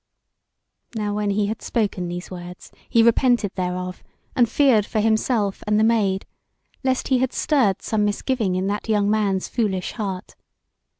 Now when he had spoken these words, he repented thereof, and feared for himself and the Maid, lest he had stirred some misgiving in that young man's foolish heart.